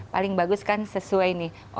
paling bagus kan sesuai nih